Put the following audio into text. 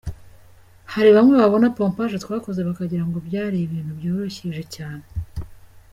Hari bamwe babona pompaje twakoze bakagira ngo byari ibintu byoroheje cyane.